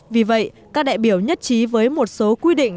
vì vậy các đại biểu nhất trí với một số quy định